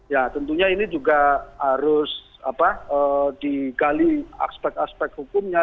ya tentunya ini juga harus digali aspek aspek hukumnya